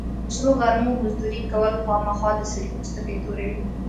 په سرو غرمو مزدوري کول، خوامخا د سړي پوستکی توروي.